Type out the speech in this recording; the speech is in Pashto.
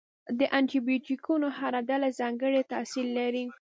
د انټي بیوټیکونو هره ډله ځانګړی تاثیر لري.